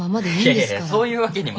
いやいやそういうわけには。